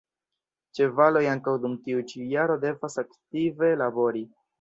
Ĉevaloj ankaŭ dum tiu ĉi jaro devas aktive labori.